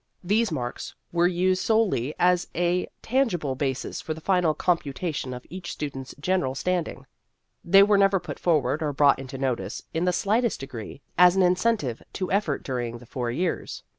These marks were used solely as a tangible basis for the final computation of each student's general standing ; they were never put forward or brought into notice in the slightest degree as an incen tive to effort during the four years.